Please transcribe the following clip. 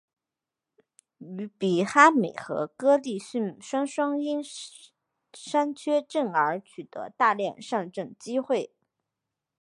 于比哈美和哥利逊双双因伤缺阵而取得大量上阵机会。